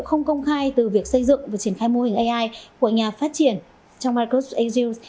không công khai từ việc xây dựng và triển khai mô hình ai của nhà phát triển trong micros ague